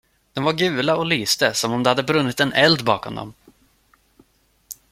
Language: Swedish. De var gula och lyste, som om det hade brunnit en eld bakom dem.